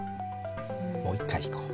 もう一回いこう。